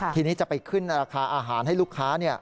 ทีนี้จะไปขึ้นราคาอาหารให้ลูกค้า